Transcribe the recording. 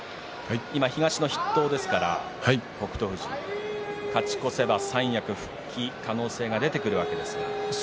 東の筆頭ですから北勝富士、勝ち越せば三役復帰可能性が出てくるわけですが。